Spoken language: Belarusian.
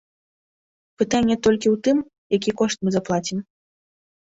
Пытанне толькі ў тым, які кошт мы заплацім.